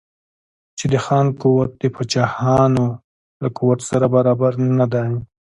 چې د خان قوت د پاچاهانو له قوت سره برابر نه دی.